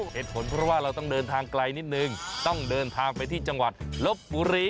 เหตุผลเพราะว่าเราต้องเดินทางไกลนิดนึงต้องเดินทางไปที่จังหวัดลบบุรี